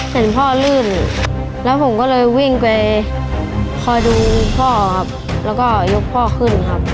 เห็นพ่อลื่นแล้วผมก็เลยวิ่งไปคอยดูพ่อครับแล้วก็ยกพ่อขึ้นครับ